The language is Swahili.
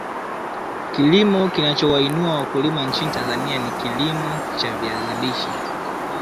kilimo kinachowainua wakulima nchini Tanzania ni kilimo cha viazi lishe